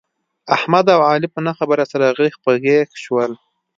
احمد او علي په نه خبره سره غېږ په غېږ شول.